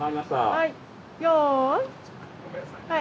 はい。